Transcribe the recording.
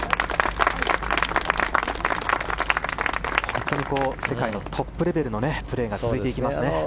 本当に世界のトップレベルのプレーが続いていきますね。